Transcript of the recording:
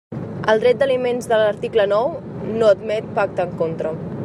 El dret d'aliments de l'article nou no admet pacte en contra.